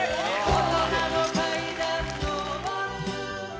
大人の階段昇る